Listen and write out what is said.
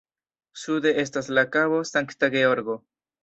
Sude estas la Kabo Sankta Georgo.